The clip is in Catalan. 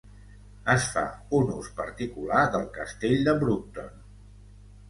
Es fa un ús particular del castell de Broughton.